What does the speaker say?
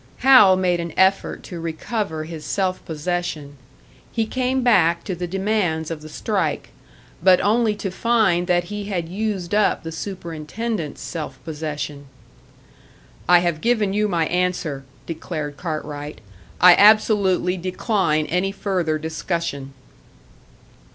Hal made an effort to recover his self possession. He came back to the demands of the strike but only to find that he had used up the superintendent's self possession. "I have given you my answer," declared Cartwright, "I absolutely decline any further discussion."